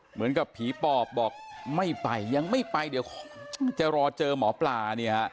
เหมือนกับผีปอบบอกไม่ไปยังไม่ไปเดี๋ยวจะรอเจอหมอปลาเนี่ยฮะ